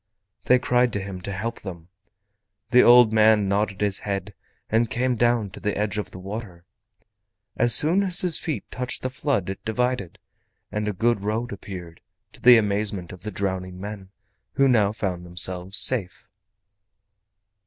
They cried to him to help them. The old man nodded his head and came down to the edge of the water. As soon as his feet touched the flood it divided, and a good road appeared, to the amazement of the drowning men, who now found themselves safe.